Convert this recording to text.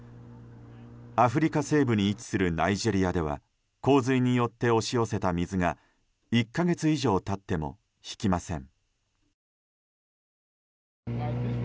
アフリカ西部に位置するナイジェリアでは洪水によって押し寄せた水が１か月以上経っても引きません。